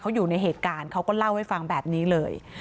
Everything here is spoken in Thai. เขาอยู่ในเหตุการณ์เขาก็เล่าให้ฟังแบบนี้เลย